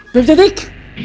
bebek cantik ngilang